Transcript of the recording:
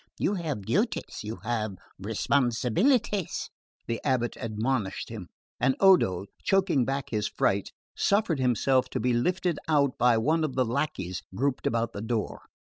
You have duties, you have responsibilities," the abate admonished him; and Odo, choking back his fright, suffered himself to be lifted out by one of the lacqueys grouped about the door.